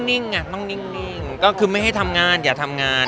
นิ่งอ่ะต้องนิ่งก็คือไม่ให้ทำงานอย่าทำงาน